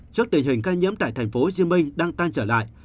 trước tình hình ca nhiễm tại tp hcm đang tan trở lại